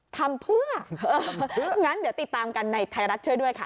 ทำเพื่องั้นเดี๋ยวติดตามกันในไทยรัฐช่วยด้วยค่ะ